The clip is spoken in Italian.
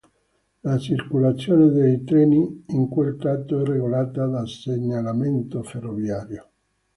La circolazione dei treni in quel tratto è regolata da segnalamento ferroviario.